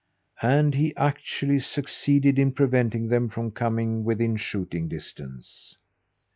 And he actually succeeded in preventing them from coming within shooting distance.